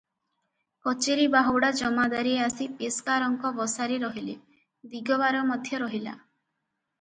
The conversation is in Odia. କଚେରି ବାହୁଡ଼ା ଜମାଦାରେ ଆସି ପେସ୍କାରଙ୍କ ବସାରେ ରହିଲେ, ଦିଗବାର ମଧ୍ୟ ରହିଲା ।